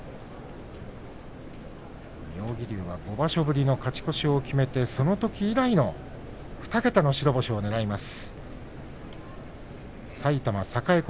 妙義龍は５場所ぶりの勝ち越しを決めてそのとき以来の２桁の白星をねらいます。